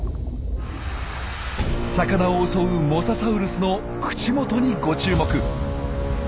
魚を襲うモササウルスの口元にご注目。